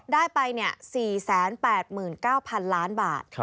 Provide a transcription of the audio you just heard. ได้ไป๔๘๙๐๐๐ล้านบาท